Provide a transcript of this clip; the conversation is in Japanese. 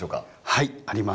はいあります。